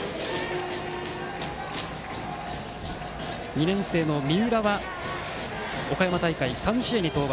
２年生の三浦は岡山大会３試合に登板。